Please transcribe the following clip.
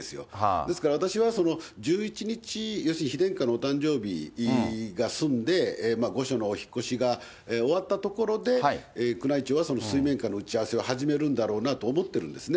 ですから、私は１１日、要するに妃殿下のお誕生日が済んで、御所のお引っ越しが終わったところで、宮内庁は水面下の打ち合わせを始めるんだろうなと思ってるんですね。